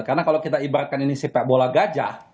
karena kalau kita ibaratkan ini sepak bola gajah